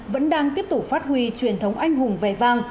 vẫn đang tiếp tục phát huy truyền thống anh hùng vẻ vang